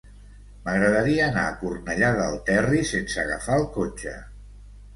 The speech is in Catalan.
M'agradaria anar a Cornellà del Terri sense agafar el cotxe.